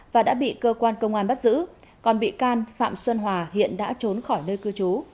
và đã bị cơ quan công an bắt giữ còn bị can phạm xuân hòa hiện đã trốn khỏi nơi cư trú